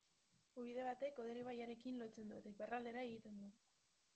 Ubide batek Oder ibaiarekin lotzen du eta iparraldera egiten du.